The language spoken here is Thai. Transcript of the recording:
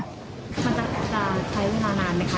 มันจะใช้เวลานานไหมคะ